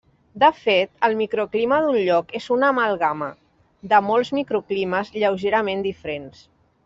De fet el microclima d'un lloc és una amalgama de molts microclimes lleugerament diferents.